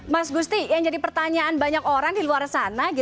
mas gusti yang jadi pertanyaan banyak orang di luar sana